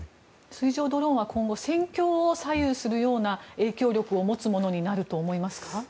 水上ドローンは今後戦況を左右するような影響力を持つものになると思われますか？